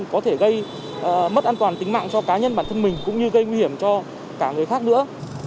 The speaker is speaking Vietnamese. có thể gây mất an toàn tính mạng cho cá nhân bản thân mình cũng như gây nguy hiểm cho cả người khác nữa